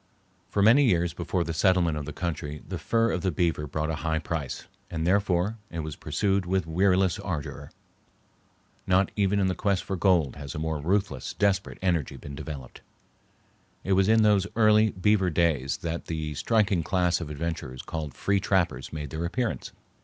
For many years before the settlement of the country the fur of the beaver brought a high price, and therefore it was pursued with weariless ardor. Not even in the quest for gold has a more ruthless, desperate energy been developed. It was in those early beaver days that the striking class of adventurers called "free trappers" made their appearance.